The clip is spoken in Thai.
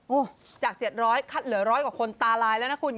โอ้โหจาก๗๐๐คัดเหลือร้อยกว่าคนตาลายแล้วนะคุณ